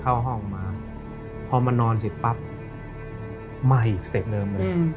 เข้าห้องมาพอมานอนเสร็จปั๊บมาอีกสเต็ปเดิมเลย